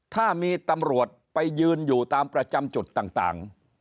ถ้ามีตำรวจไปยืนอยู่ตามประจำจุดต่าง